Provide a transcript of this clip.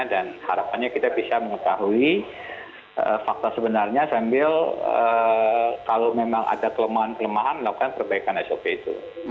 dan harapannya kita bisa mengetahui fakta sebenarnya sambil kalau memang ada kelemahan kelemahan melakukan perbaikan sop itu